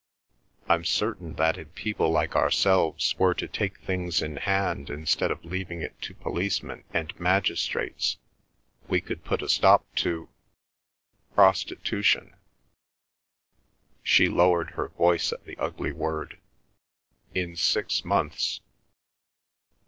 ... I'm certain that if people like ourselves were to take things in hand instead of leaving it to policemen and magistrates, we could put a stop to—prostitution"—she lowered her voice at the ugly word—"in six months.